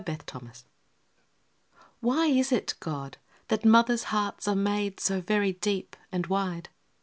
A QUESTION f Why is it, God, that mother's hearts are made So very deep and wide?